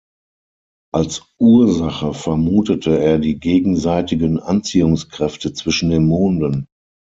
Als Ursache vermutete er die gegenseitigen Anziehungskräfte zwischen den Monden.